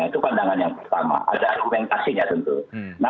itu pandangan yang pertama ada argumentasinya tentu